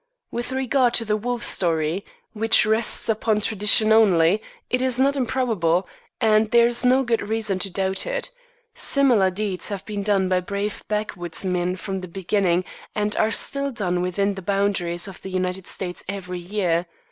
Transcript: With regard to the wolf story, which rests upon tradition only, it is not improbable, and there is no good reason to doubt it. Similar deeds have been done by brave backwoodsmen from the beginning, and are still done within the boundaries of the United States every year.